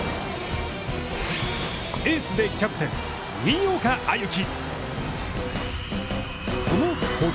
エースでキャプテン新岡歩輝。